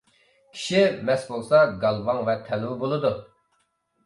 كىشى مەست بولسا گالۋاڭ ۋە تەلۋە بولىدۇ.